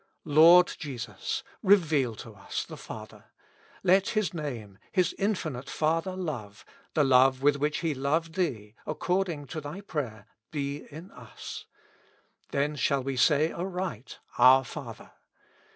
Lord Jesus! reveal to us the Father. Let His name, His infinite Father love, the love with which he loved Thee, according to Thy prayer, be 38 With Christ in the School of Prayer. IN us. Then shall we say aright, " Our Father